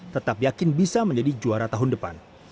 tetap yakin bisa menjadi juara tahun depan